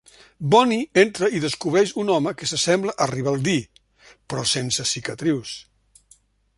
Bonnie entra i descobreix un home que s'assembla a Ribaldí, però sense cicatrius.